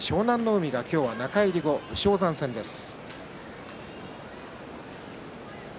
海は今日は中入り後、武将山戦です。